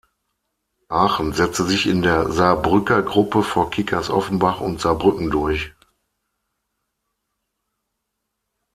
Aachen setzte sich in der Saarbrücker-Gruppe vor Kickers Offenbach und Saarbrücken durch.